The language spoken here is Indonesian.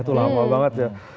itu lama banget ya